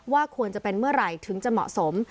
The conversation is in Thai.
ว่าควรจะเป็นเมื่อไหร่ถึงจะเหมาะสม